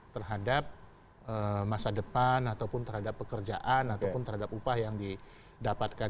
terhadap masa depan ataupun terhadap pekerjaan ataupun terhadap upah yang didapatkan